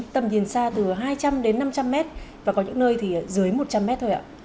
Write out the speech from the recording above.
tầm nhìn xa từ hai trăm linh đến năm trăm linh mét và có những nơi thì dưới một trăm linh mét thôi ạ